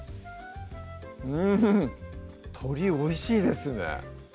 鶏おいしいですね